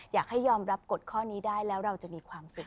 อยากให้ยอมรับกฎข้อนี้ได้แล้วเราจะมีความสุข